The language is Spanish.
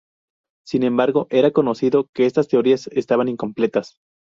Sin embargo era conocido que estas teorías estaban incompletas.